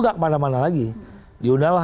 tidak kemana mana lagi diundanglah